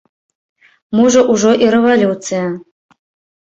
Можа, ужо і рэвалюцыя.